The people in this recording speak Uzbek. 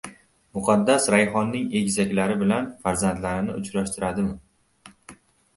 Muqaddas Rayhonning egizaklari bilan farzandlarini uchrashtiradimi?